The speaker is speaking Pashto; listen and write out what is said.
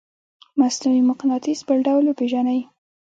مصنوعي مقناطیس بل ډول پیژنئ؟